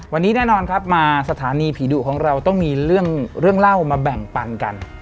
วันนี้แน่นอนครับมาสถานีผีดุของเราต้องมีเรื่องเล่ามาแบ่งปันกัน